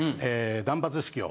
断髪式を。